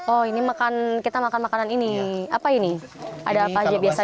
oh ini makan kita makan makanan ini apa ini ada apa aja biasa